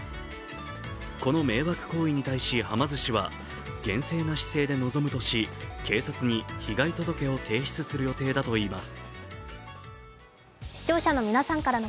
この迷惑行為に対し、はま寿司は厳正な姿勢で臨むとし、警察に被害届を提出する予定だといいます。